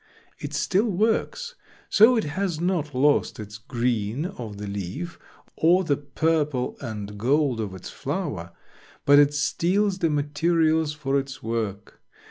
It still works, so it has not lost its green of the leaf, or the purple and gold of its flower, but it steals the materials for its work.